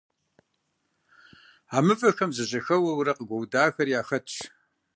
А мывэхэм зэжьэхэуэурэ къыгуэудахэри яхэтщ.